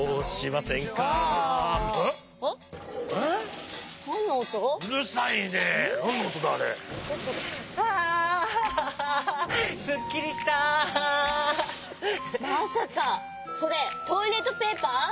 まさかそれトイレットペーパー？